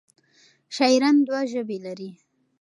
شاعران دوه ژبې لري.